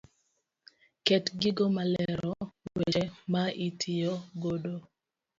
Ket gigo malero weche ma itiyo godo.